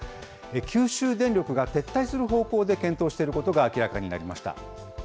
九州電力が撤退する方向で検討していることが明らかになりました。